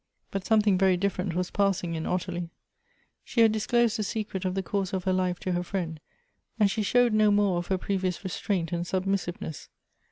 But something very different was passing in Ottilie. She had disclosed the secret of the course of her life to her friend, and she showed no more of her previous restraint and submissiveness.